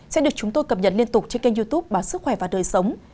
sẽ được chúng tôi cập nhật liên tục trên kênh youtube báo sức khỏe và đời sống